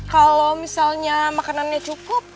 kalau misalnya makanannya cukup